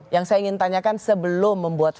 yang saya ingin tanyakan sebelum membuat